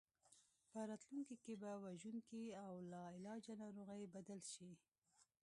په راتلونکي کې په وژونکي او لاعلاجه ناروغۍ بدل شي.